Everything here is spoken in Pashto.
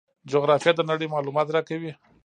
جغرافیه د نړۍ معلومات راکوي.